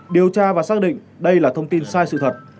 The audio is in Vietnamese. điều tra và xác định đây là thông tin sai sự thật